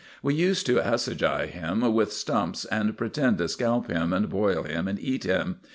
We used to assegai him with stumps, and pretend to scalp him and boil him and eat him.